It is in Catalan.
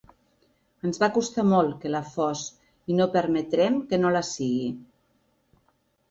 Ens va costar molt que la fos i no permetrem que no la sigui.